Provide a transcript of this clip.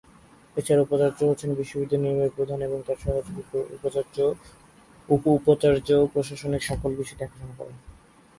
এছাড়া উপাচার্য হচ্ছেন বিশ্ববিদ্যালয়ের নির্বাহী প্রধান এবং তার সহযোগী উপ-উপাচার্য প্রশাসনিক সকল বিষয় দেখাশোনা করেন।